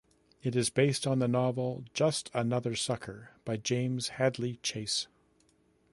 It is based on the novel "Just Another Sucker" by James Hadley Chase.